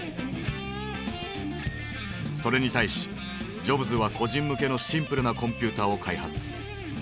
それに対しジョブズは個人向けのシンプルなコンピューターを開発。